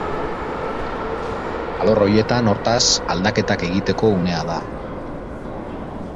Alor horietan, hortaz, aldaketak egiteko unea da.